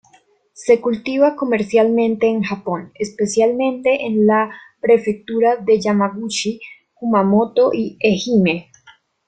Se cultiva comercialmente en Japón, especialmente en la prefectura de Yamaguchi, Kumamoto y Ehime.